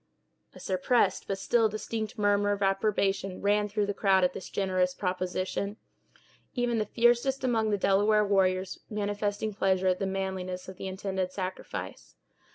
A suppressed, but still distinct murmur of approbation ran through the crowd at this generous proposition; even the fiercest among the Delaware warriors manifesting pleasure at the manliness of the intended sacrifice.